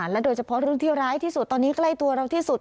โดยเฉพาะเรื่องที่ร้ายที่สุดตอนนี้ใกล้ตัวเราที่สุด